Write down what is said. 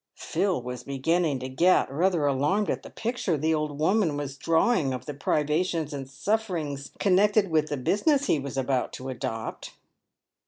Phil was beginning to get rather alarmed at the picture the old woman was drawing of the privations and sufferings connected with the business he was about to adopt.